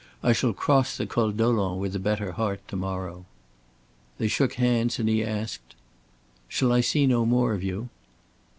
"I shall cross the Col Dolent with a better heart to morrow." They shook hands, and he asked: "Shall I see no more of you?"